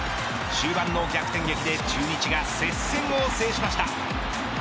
終盤の逆転劇で中日が接戦を制しました。